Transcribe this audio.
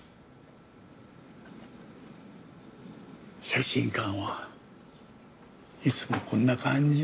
写真館はいつもこんな感じ。